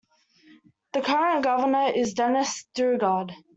The current Governor is Dennis Daugaard.